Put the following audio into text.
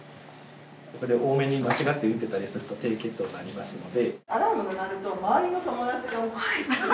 やっぱり多めに間違って打っていたりすると低血糖になりますので。